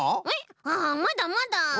あまだまだ！